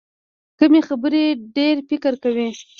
کمې خبرې، ډېر فکر کوي.